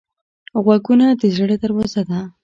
غوږونه د زړه دروازه ده